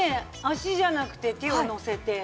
足じゃなくて手をのせて。